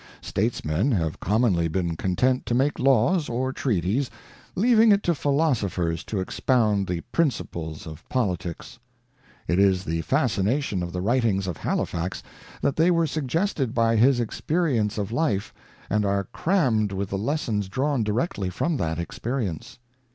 Statesmen have commonly been content to make laws, or treaties, leaving it to philosophers to expound the principles of politics. It is the fascination of the writings of Halifax that they were suggested by his experience of life, and are crammed with the lessons drawn directly from that experience.